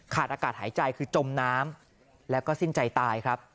อากาศหายใจคือจมน้ำแล้วก็สิ้นใจตายครับ